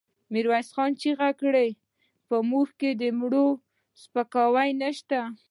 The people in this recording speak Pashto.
ميرويس خان چيغه کړه! په موږ کې د مړو سپکاوی نشته.